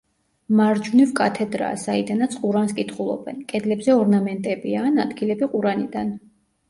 მარჯვნივ კათედრაა, საიდანაც ყურანს კითხულობენ, კედლებზე ორნამენტებია ან ადგილები ყურანიდან.